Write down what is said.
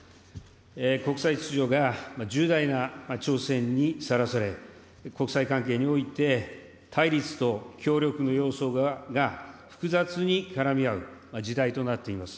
国際秩序が重大な挑戦にさらされ、国際関係において対立と協力の様相が複雑に絡み合う時代となっています。